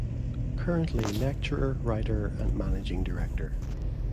Currently Lecturer, Writer and Managing Director.